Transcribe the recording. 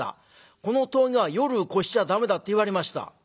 『この峠は夜越しちゃ駄目だ』って言われました」。